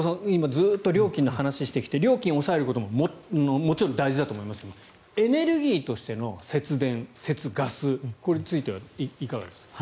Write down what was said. ずっと料金の話をしてきて料金を抑えることももちろん大事だと思いますがエネルギーとしての節電、節ガスこれについてはいかがですか？